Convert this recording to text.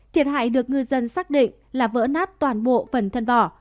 thiệt hại được ngư dân xác định là vỡ nát toàn bộ phần thân vỏ